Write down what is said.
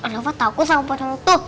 rafa takut sama pocong itu